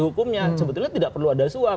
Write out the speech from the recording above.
hukumnya sebetulnya tidak perlu ada suap